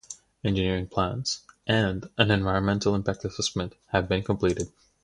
Engineering plans and an environmental impact assessment have been completed.